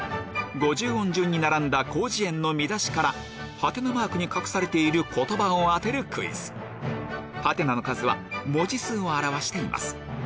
５０音順に並んだ『広辞苑』の見出しからはてなマークに隠されている言葉を当てるクイズはてなの数は文字数を表しています